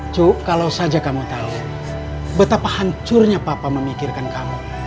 cuk kalau saja kamu tahu betapa hancurnya papa memikirkan kamu